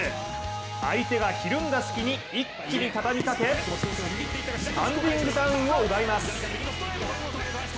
相手がひるんだ隙に一気にたたみかけスタンディングダウンを奪います。